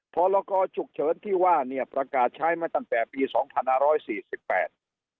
พรกรฉุกเฉินที่ว่าเนี่ยประกาศใช้มาตั้งแต่ปีสองพันห้าร้อยสี่สิบแปด